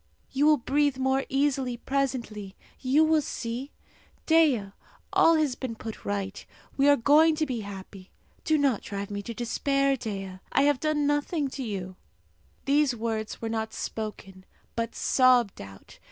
You will breathe more easily presently, you will see. Dea, all has been put right. We are going to be happy. Do not drive me to despair, Dea! I have done nothing to you." These words were not spoken, but sobbed out.